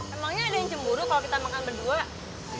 emangnya ada yang cemburu kalau kita makan berdua